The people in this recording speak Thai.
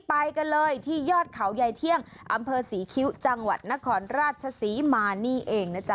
ไปกันเลยที่ยอดเขาใยเที่ยงอำเภอศรีคิ้วจังหวัดนครราชศรีมานี่เองนะจ๊